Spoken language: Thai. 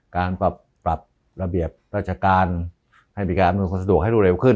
การปรับปรับระเบียบราชการให้บริการอำนวงค์คนสะดวกให้รู้เร็วขึ้น